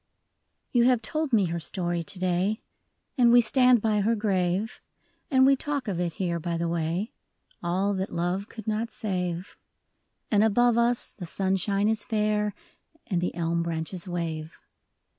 OU have told me her story to day, And we stand by her grave ; And we talk of it here by the way, All that love could not save. And above us the sunshine is fair, And the elm branches wave.